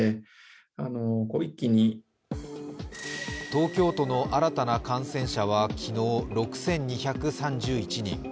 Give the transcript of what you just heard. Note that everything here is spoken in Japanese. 東京都の新たな感染者は昨日、６２３１人。